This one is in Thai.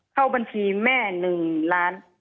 เข้าบัญชีแม่๑ล้าน